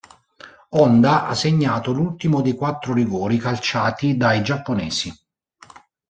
Honda ha segnato l'ultimo dei quattro rigori calciati dai giapponesi.